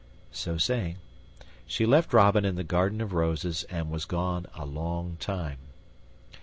So saying, she left Robin in the garden of roses, and was gone a long time.